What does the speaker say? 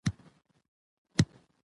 افغانستان د بادي انرژي کوربه دی.